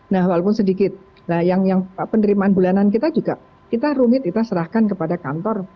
nah walaupun sedikit nah yang penerimaan bulanan kita juga kita rumit kita serahkan kepada kantor